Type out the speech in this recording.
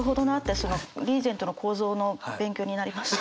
そのリーゼントの構造の勉強になりました。